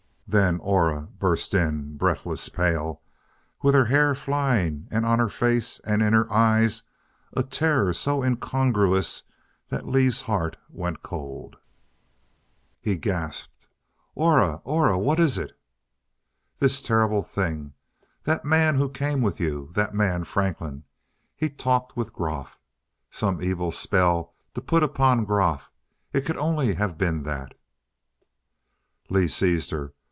Then Aura burst in, breathless, pale, with her hair flying and on her face and in her eyes a terror so incongruous that Lee's heart went cold. He gasped, "Aura! Aura, what is it?" "This terrible thing that man who came with you that man, Franklin he talked with Groff. Some evil spell to put upon Groff it could only have been that " Lee seized her.